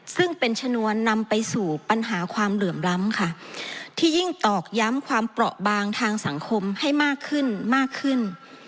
ซึ่งเป็นชนวนนำไปสู่ปัญหาความเหลื่อมล้ำค่ะที่ยิ่งตอกย้ำความเปราะบางทางสังคมให้มากขึ้นมากขึ้น